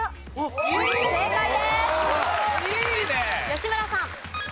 吉村さん。